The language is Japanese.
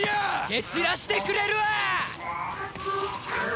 蹴散らしてくれるわ！